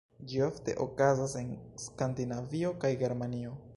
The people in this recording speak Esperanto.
Ĝi ofte okazas en Skandinavio kaj Germanio.